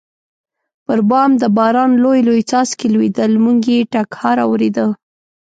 پر بام د باران لوی لوی څاڅکي لوېدل، موږ یې ټکهار اورېده.